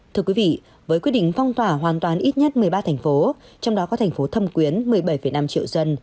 thưa quý vị với quyết định phong tỏa hoàn toàn ít nhất một mươi ba thành phố trong đó có thành phố thâm quyến một mươi bảy năm triệu dân